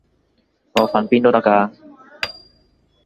我瞓邊都得㗎